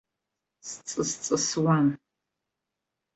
Сҵыс-ҵысуан.